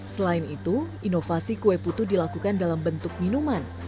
selain itu inovasi kue putu dilakukan dalam bentuk minuman